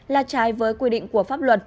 là trái với quy định của pháp luật